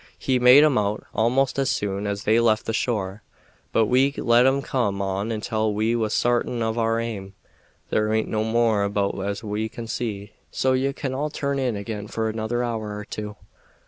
We made 'em out almost as soon as they left the shore, but we let 'em come on until we was sartin of our aim. There aint no more about as we can see, so ye can all turn in again for another hour or two."